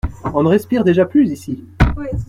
On ne respire déjà plus ici.